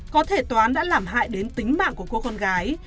có thể toán đã làm hại đến tính mạng của cô con gái